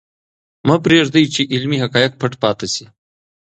مه پرېږدئ چې علمي حقایق پټ پاتې شي.